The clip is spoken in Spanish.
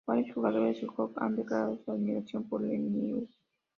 Varios jugadores de hockey han declarado su admiración por Lemieux.